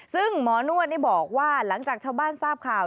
ซึ่งหมอนวดนี่บอกว่าหลังจากชาวบ้านทราบข่าว